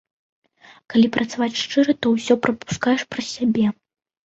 Калі працаваць шчыра, то ўсё прапускаеш праз сябе.